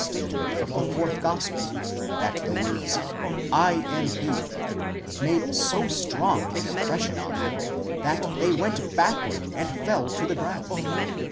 statement of the fourth gospel that the words 7am he, made so strong an impression on them that they went backward and fell to the ground.